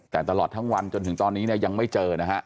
แต่ตลอดทั้งวันจนถึงตอนนี้เนี่ยยังไม่เจอนะฮะ